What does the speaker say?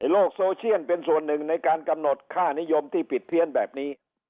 โลกโซเชียลเป็นส่วนหนึ่งในการกำหนดค่านิยมที่ผิดเพี้ยนแบบนี้